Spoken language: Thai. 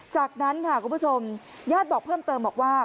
จากนั้นค่ะคุณผู้ชมญาติบอกเพิ่มเติมบอกว่า